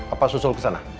apa susul kesana